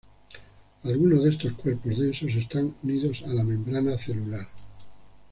Algunos de estos cuerpos densos están unidos a la membrana celular.